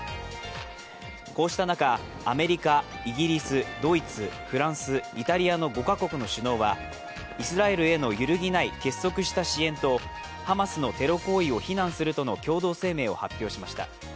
こうした中、アメリカ、イギリスドイツ、フランス、イタリアの５か国の首脳はイスラエルへの揺るぎない結束した支援とハマスのテロ行為を非難するとの共同声明を発表しました。